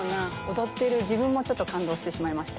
踊っている自分もちょっと感動してしまいました。